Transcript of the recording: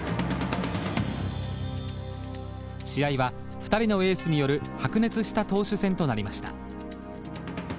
試合は２人のエースによる白熱した投手戦となりました。